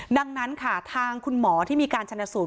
ดังนั้นค่ะทางคุณหมอที่มีการชนะสูตร